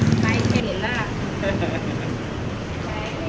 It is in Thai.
โอ้แม้หลีบลำเลย